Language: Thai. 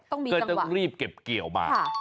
ต้องมีจำวะต้องรีบเก็บเกี่ยวมาค่ะ